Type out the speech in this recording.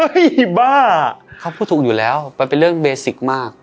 บ้าเขาพูดถูกอยู่แล้วมันเป็นเรื่องเบสิกมาก